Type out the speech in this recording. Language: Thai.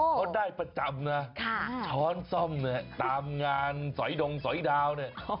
ก็ได้ประจำช้อนซ่อมตามงานสอยดงสอยดาว